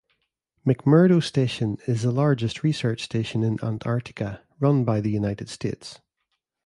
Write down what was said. McMurdo Station is the largest research station in Antarctica, run by the United States.